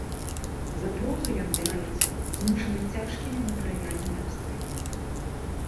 За прозу ён бярэцца, змушаны цяжкімі матэрыяльнымі абставінамі.